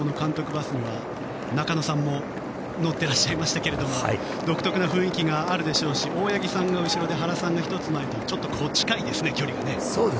バスには中野さんも乗っていらっしゃいましたけども独特な雰囲気があるでしょうし大八木さんの後ろで原さんが１つ前と近いですね。